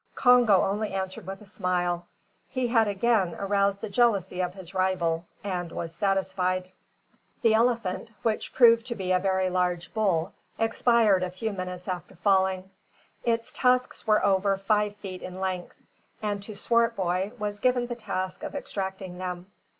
Congo only answered with a smile. He had again aroused the jealousy of his rival, and was satisfied. The elephant, which proved to be a very large bull, expired a few minutes after falling. Its tusks were over five feet in length, and to Swartboy was given the task of extracting them.